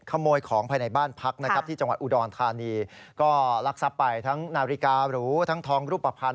ขโมยของภายในบ้านพักนะครับที่จังหวัดอุดรธานีก็ลักทรัพย์ไปทั้งนาฬิการูทั้งทองรูปภัณฑ